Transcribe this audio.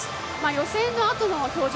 予選のあとの表情